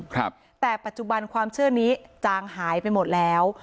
ครับแต่ปัจจุบันความเชื่อนี้จางหายไปหมดแล้ว